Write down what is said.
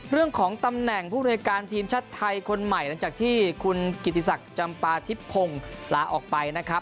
เรื่องของตำแหน่งผู้บริการทีมชาติไทยคนใหม่หลังจากที่คุณกิติศักดิ์จำปาทิพพงศ์ลาออกไปนะครับ